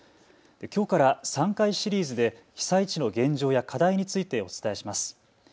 きょうから３回シリーズで被災地の現状や課題についてお伝えします。